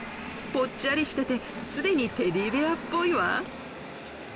ぽっちゃりしてて既にテディベアっぽいわ。